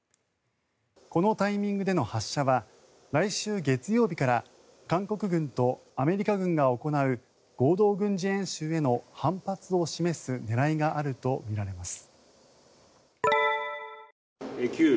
このタイミングでの発射は来週月曜日から韓国軍とアメリカ軍が行う合同軍事演習への反発を示す狙いがあるとみられます。